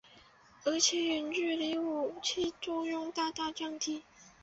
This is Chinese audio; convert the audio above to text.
而且远距离武器作用大大降低。